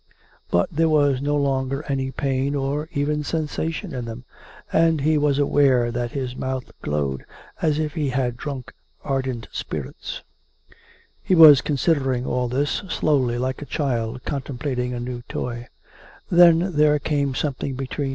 But there was no longer any pain or even sensation in them; and he was aware that his mouth glowed as if he had drunk ardent spirits. He was considering all this, slowly, like a child contem plating a new toy. Then there came something between 450 COME RACK! COME ROPE!